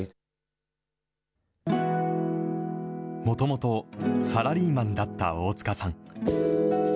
もともと、サラリーマンだった大塚さん。